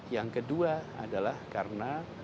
yang kedua adalah karena